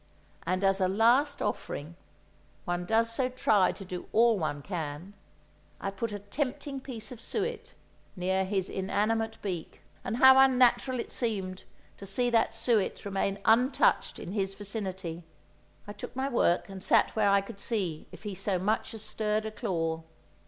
And as a last offering—one does so try to do all one can!—I put a tempting piece of suet near his inanimate beak. And how unnatural it seemed to see that suet remain untouched in his vicinity! I took my work and sat where I could see if he so much as stirred a claw.